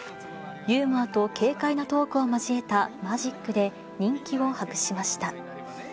ユーモアと軽快なトークを交えたマジックで、人気を博しました。